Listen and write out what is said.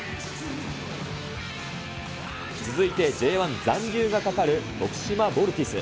続いてＪ１残留がかかる徳島ヴォルティス。